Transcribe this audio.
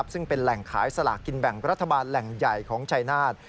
ซึ่งเป็นแหล่งขายสลากกินแบ่งรัฐบาลแหล่งใหญ่ของชายนาฏ